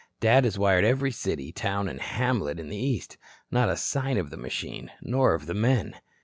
Dad has wired every city, town and hamlet in the East. Not a sign of the machine, nor of the men."